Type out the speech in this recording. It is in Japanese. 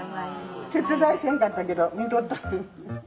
手伝いせんかったけど見とった。